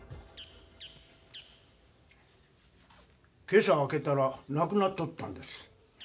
けさ開けたらなくなっとったんです。